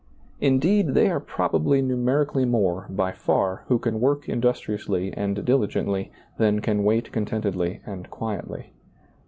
Indeed, they are probably numerically more, by far, who can work industriously and diligently than can wait contentedly and quietly.